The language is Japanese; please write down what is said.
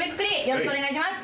よろしくお願いします！